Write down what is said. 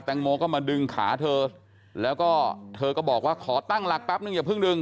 งโมก็มาดึงขาเธอแล้วก็เธอก็บอกว่าขอตั้งหลักแป๊บนึงอย่าเพิ่งดึง